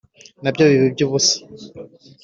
na byo biba iby'ubusa